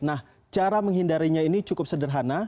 nah cara menghindarinya ini cukup sederhana